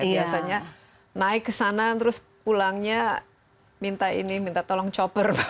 biasanya naik ke sana terus pulangnya minta ini minta tolong chopper